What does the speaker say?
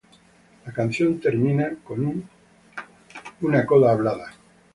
La canción termina con una coda hablada.